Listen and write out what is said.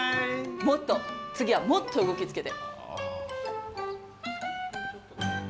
もっと、次はもっと動きつけて。